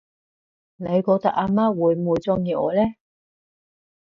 你覺得阿媽會唔會鍾意我呢？